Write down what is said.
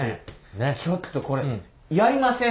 ちょっとこれやりません？